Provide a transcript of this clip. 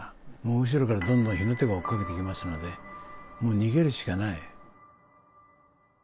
後ろからどんどん火の手が追っかけてきますので、もう逃げるしかない。